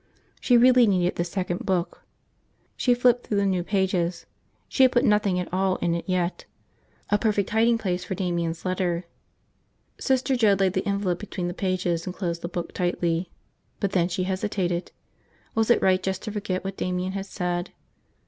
She really needed this second book. She flipped through the new pages. She had put nothing at all in it yet. A perfect hiding place for Damian's letter. Sister Joe laid the envelope between the pages and closed the book tightly. But then she hesitated. Was it right just to forget what Damian had said?